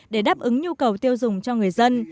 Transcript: để đáp ứng nhu cầu tiêu dùng cho người dân